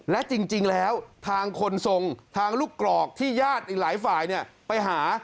และจริงแล้วทางคนทรงทางลูกกรอกที่ญาติอีกหลายฝ่ายไปหา